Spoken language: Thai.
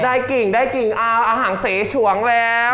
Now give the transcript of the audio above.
ได้กลิ่นได้กลิ่นอ้าวอาหารเสชวนแล้ว